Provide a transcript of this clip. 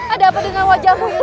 ada apa dengan wajahmu ini